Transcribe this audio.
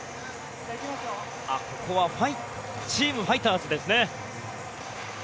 ここはチームファイターズですね。